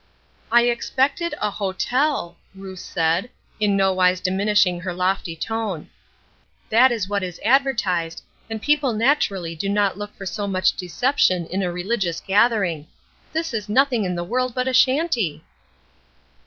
"I expected a hotel," Ruth said, in no wise diminishing her lofty tone. "That is what is advertised, and people naturally do not look for so much deception in a religious gathering. This is nothing in the world but a shanty."